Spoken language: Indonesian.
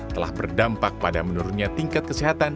telah berdampak pada menurunnya tingkat kesehatan